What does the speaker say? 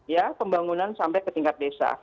ya pembangunan sampai ke tingkat desa